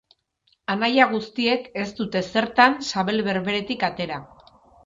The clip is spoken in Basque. Anaia guztiek ez dute zertan sabel berberetik atera.